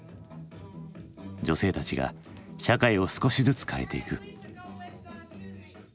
女性たちが社会を少しずつ変えていく。